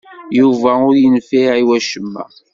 Yuba ur yenfiɛ i wacemma.